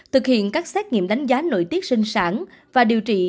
thực hiện các xét nghiệm đánh giá nội tiết sinh sản và điều trị